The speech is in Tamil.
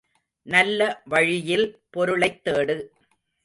நல்ல வழியில் பொருளைத் தேடு.